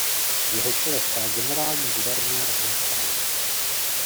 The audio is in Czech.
V jeho čele stál generální guvernér Hans Frank.